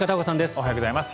おはようございます。